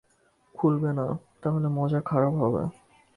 খুলবে না তাহলে মজা খারাপ হবে।